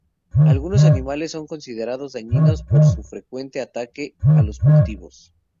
Algunos animales son considerados dañinos por su frecuente ataque a los cultivos.